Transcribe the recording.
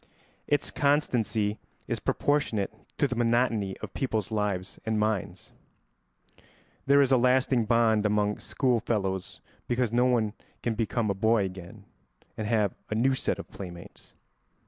Its constancy is proportionate to the monotony of people's lives and minds. There is a lasting bond among schoolfellows because no one can become a boy again and have a new set of playmates.